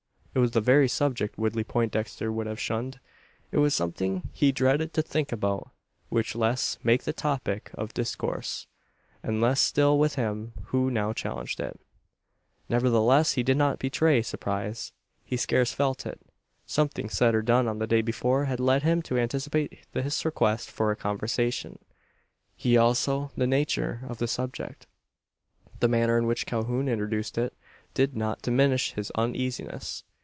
It was the very subject Woodley Poindexter would have shunned. It was something he dreaded to think about, much less make the topic of discourse; and less still with him who now challenged it. Nevertheless, he did not betray surprise. He scarce felt it. Something said or done on the day before had led him to anticipate this request for a conversation as also the nature of the subject. The manner in which Calhoun introduced it, did not diminish his uneasiness.